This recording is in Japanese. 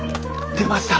出ました！